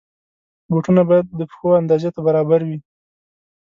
بوټونه باید د پښو اندازې ته برابر وي.